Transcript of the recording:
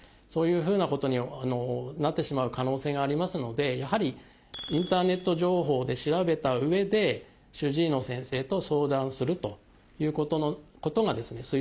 そういうふうなことになってしまう可能性がありますのでやはりインターネット情報で調べたうえで主治医の先生と相談するということがですね